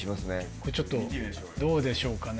これちょっとどうでしょうかね